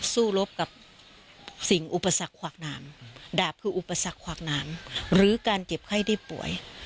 สู้รบกับสิ่งอุปสรรคขวากน้ำดาบคืออุปสรรคขวากน้ำหรือการเจ็บไข้ได้ป่วย